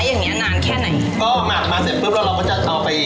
แล้วก็มีน้ำมันกหนิพอจากนั้นเราก็จะคุกเขา